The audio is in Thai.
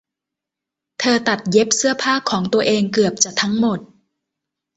เธอตัดเย็นเสื้อผ้าของตัวเองเกือบจะทั้งหมด